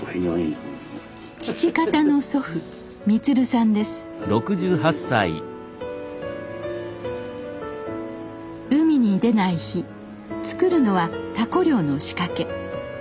父方の祖父海に出ない日作るのはタコ漁の仕掛け。